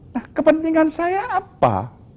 nah kepentingan saya apa